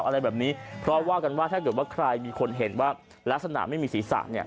อะไรแบบนี้เพราะว่ากันว่าถ้าเกิดว่าใครมีคนเห็นว่าลักษณะไม่มีศีรษะเนี่ย